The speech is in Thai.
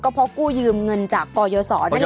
ก็เพราะกู้ยืมเงินจากกรยสนั่นแหละ